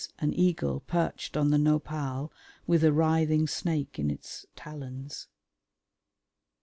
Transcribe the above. an eagle perched on the Nopal with a writhing snake in its talons.